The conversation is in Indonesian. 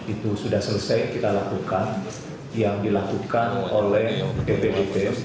itu sudah selesai kita lakukan yang dilakukan oleh ppdp